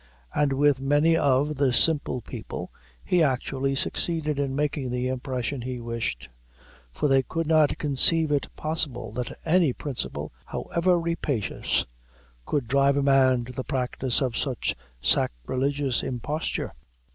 And with many of; the simple people, he actually succeeded in making the impression he wished; for they could not conceive it possible, that any principle, however rapacious, could drive a man to the practice of such sacrilegious imposture.